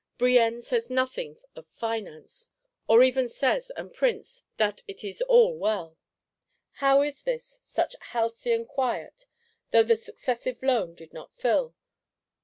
Brienne says nothing of Finance; or even says, and prints, that it is all well. How is this; such halcyon quiet; though the Successive Loan did not fill?